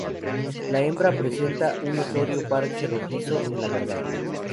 La hembra presenta un notorio parche rojizo en la garganta.